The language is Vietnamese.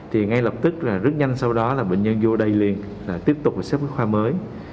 thì ngay lập tức là rất nhanh sau đó là bệnh nhân vô đây liền là tiếp tục xếp với khoa mới